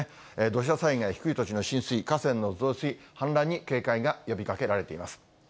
土砂災害、低い土地の浸水、河川の増水、氾濫に警戒が呼びかけられています。